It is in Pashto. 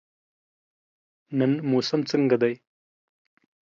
نن موسم څنګه دی؟